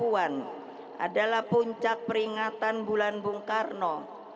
dan mbak puan adalah puncak peringatan bulan bung karno